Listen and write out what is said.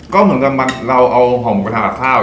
ก็เหมือนกับเราเอาห่อหมูไปทำกับข้าว